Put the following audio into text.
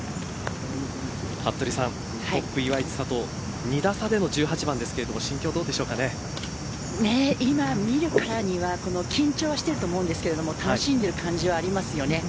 トップ岩井千怜２打差での１８番ですけど今見るからには緊張していると思うんですけど楽しんでいる感じがあります。